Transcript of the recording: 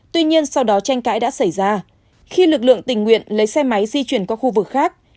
tuy nhiên sau đó tranh cãi đã xảy ra khi lực lượng tình nguyện lấy xe máy di chuyển qua khu vực khác